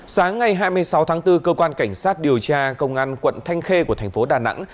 sáng ngày hai mươi sáu tháng bốn cơ quan cảnh sát điều tra công an quận thanh khê của thành phố đà nẵng